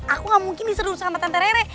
aku gak mungkin diseru sama tante rere